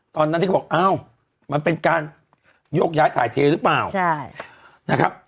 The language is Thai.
ตอนนั้นที่ก็บอกเอ้ามันเป็นการยกย้ายสายเทหรือเปล่า